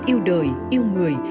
yêu đời yêu người